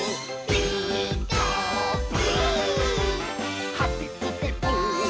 「ピーカーブ！」